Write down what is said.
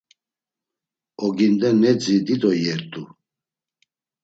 Oginde nedzi dido iyert̆u.